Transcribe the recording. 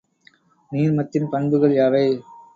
நீர்மத்தின் பண்புகள் யாவை?